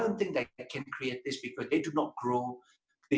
saya tidak berpikir mereka bisa membuat ini